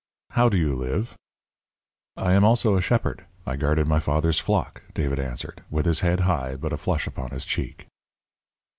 "How do you live?" "I am also a shepherd; I guarded my father's flock," David answered, with his head high, but a flush upon his cheek.